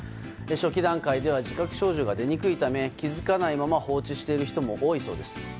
初期段階では自覚症状が出にくいため気づかないまま放置している人も多いそうです。